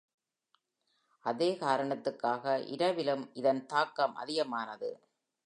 அதே காரணத்திற்காக இரவிலும் இதன் தாக்கம் அதிகமானது.